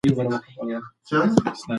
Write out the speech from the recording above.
شاعر له سپوږمۍ غواړي چې د ده پیغام یوسي.